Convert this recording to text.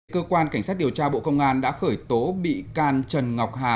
cơ quan cảnh sát điều tra bộ công an đã khởi tố bị can trần ngọc hà